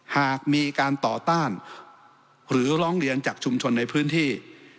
หากมีการต่อต้านหรือร้องเรียนจากชุมชนในพื้นที่